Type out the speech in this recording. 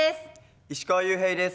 石川裕平です。